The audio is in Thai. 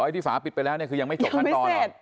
ที่ฝาปิดไปแล้วเนี่ยคือยังไม่จบขั้นตอนหรอก